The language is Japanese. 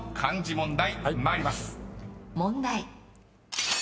問題。